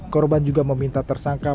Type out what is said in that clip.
korban juga meminta tersangka